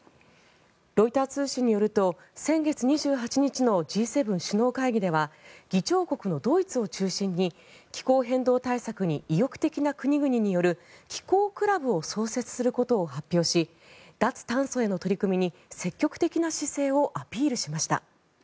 ロイター通信によると先月２８日のＧ７首脳会議では議長国のドイツを中心に気候変動対策に意欲的な国々による気候クラブを創設することを発表し脱炭素への取り組みに積極的な姿勢をアピールしました。